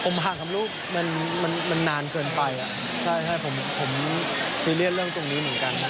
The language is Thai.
ผมห่างคำรู้มันนานเกินไปผมซีเรียสเรื่องตรงนี้เหมือนกัน